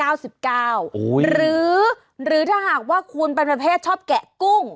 หรือถ้าหากว่าคุณเป็นประเภทชอบแกะกุ้ง